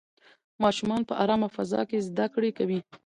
ماشومان په ارامه فضا کې زده کړې کوي.